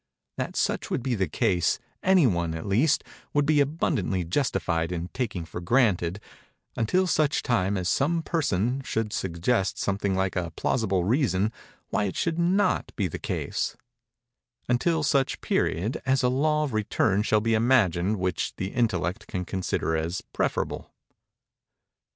That such would be the case, any one, at least, would be abundantly justified in taking for granted, until such time as some person should suggest something like a plausible reason why it should not be the case—until such period as a law of return shall be imagined which the intellect can consider as preferable.